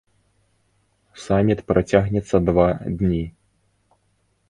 Саміт працягнецца два дні.